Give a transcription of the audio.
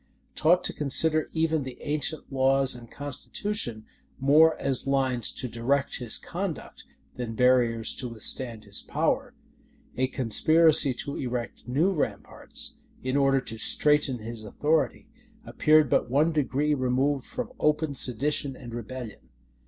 Taught to consider even the ancient laws and constitution more as lines to direct his conduct, than barriers to withstand his power; a conspiracy to erect new ramparts, in order to straiten his authority, appeared but one degree removed from open sedition and rebellion.